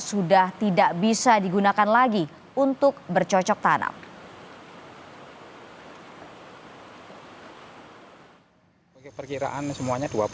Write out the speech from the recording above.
sudah tidak bisa digunakan lagi untuk bercocok tanam semuanya